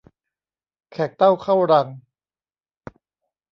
แขกเต้าเข้ารัง